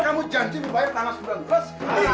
tapi kamu janji membayar tanggal sebulan terus